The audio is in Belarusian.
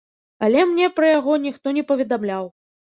Але мне пра яго ніхто не паведамляў.